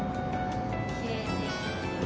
きれいね。